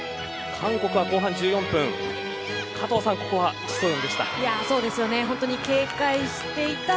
韓国は後半１４分加藤さん、ここはチ・ソヨンでした。